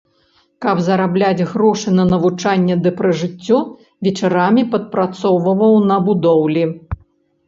Каб зарабляць грошы на навучанне ды пражыццё, вечарамі падпрацоўваў на будоўлі.